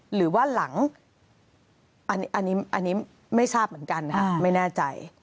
หรือว่าหลังอันนี้ไม่ทราบเหมือนกันนะไม่แน่ใจ